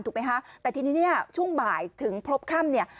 แต่ทีนี้ช่วงบ่ายถึงพบค่ำ